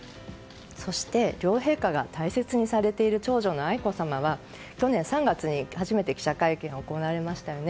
そして両陛下が大切にされている長女の愛子さまは、去年３月に初めて記者会見を行われましたよね。